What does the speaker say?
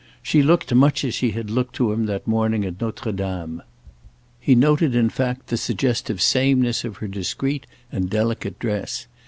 She looked much as she had looked to him that morning at Notre Dame; he noted in fact the suggestive sameness of her discreet and delicate dress.